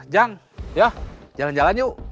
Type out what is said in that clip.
jang jalan jalan yuk